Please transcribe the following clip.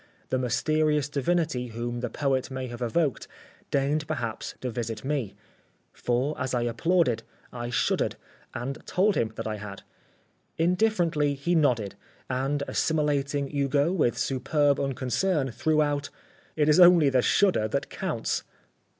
the mysterious divinity whom the poet may have evoked, deigned perhaps to visit me. For, as I applauded, I shuddered, and told him that I had. Indifferently he nodded and, assimilating Hugo with superb unconcern, threw out: "It is only the shudder that counts."